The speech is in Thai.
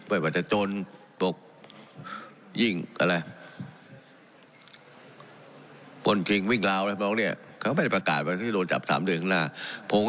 ไว้วัชฌจนต์ปกยิ่งอะไรคนซิ่งวิ่งร้าวอะไรเค้าเนี้ยเค้าไม่ได้ประกาศว่างที่โดนจับสามเดือนข้างหน้า